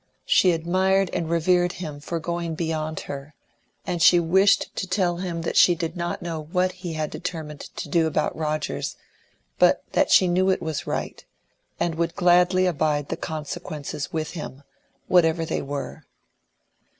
She admired and revered him for going beyond her, and she wished to tell him that she did not know what he had determined to do about Rogers, but that she knew it was right, and would gladly abide the consequences with him, whatever they were.